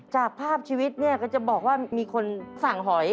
จากภาพชีวิตเนี่ยก็จะบอกว่ามีคนสั่งหอย